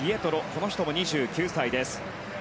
この人も２９歳です。